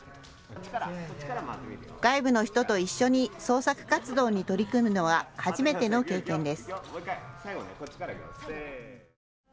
外部の人と一緒に創作活動に取り組むのは初めての経験です。